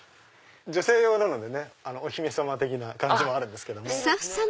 女性用なのでねお姫様的な感じもあるんですけど。